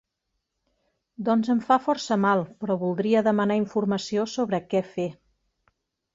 Doncs em fa força mal, però voldria demanar informació sobre què fer.